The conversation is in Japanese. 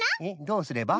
どうすれば？